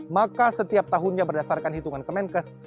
maka setiap tahunnya berdasarkan hitungan kemenkes